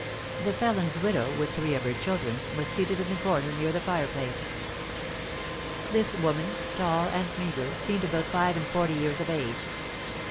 The felon's widow, with three of her children, was seated in the corner near the fireplace. This woman, tall and meagre, seemed about five and forty years of age.